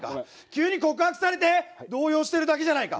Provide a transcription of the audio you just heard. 急に告白されて動揺してるだけじゃないか。